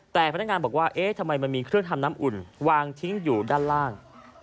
แต่พนักงานบอกว่าเอ๊ะทำไมมันมีเครื่องทำน้ำอุ่นวางทิ้งอยู่ด้านล่าง